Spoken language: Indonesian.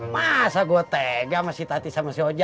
masa gue tega sama si tati sama si ojak